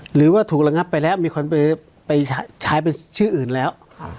หรือว่าถูกระงับไปแล้วมีคนไปใช้เป็นชื่ออื่นแล้ว